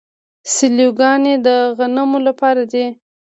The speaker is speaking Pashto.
سیلوګانې د غنمو لپاره دي.